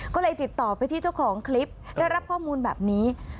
ก็เลยติดต่อไปที่เจ้าของคลิปได้รับข้อมูลแบบนี้